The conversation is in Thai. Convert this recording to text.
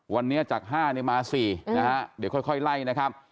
วันนี้จาก๕เนี่ยมา๔นะฮะเดี๋ยวค่อยไล่นะครับ